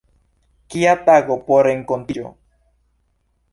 Kia tago por renkontiĝo!